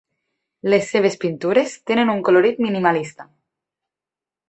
Les seves pintures tenen un colorit minimalista.